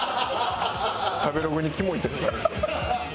食べログに「キモい」って書かれる。